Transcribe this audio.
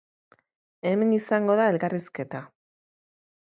Hemen izango da elkarrizketa.